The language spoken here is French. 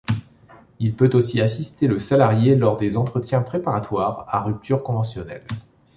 Il peut aussi assister le salarié lors des entretiens préparatoires à rupture conventionnelle.